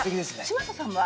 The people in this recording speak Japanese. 嶋佐さんは？